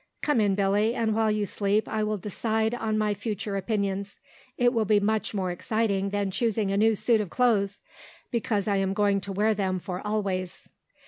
Come in, Billy, and while you sleep I will decide on my future opinions. It will be much more exciting than choosing a new suit of clothes, because I'm going to wear them for always."